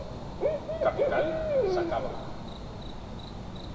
Capital: Sacaba.